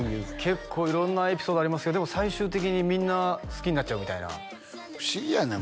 結構色んなエピソードありますけどでも最終的にみんな好きになっちゃうみたいな不思議やねん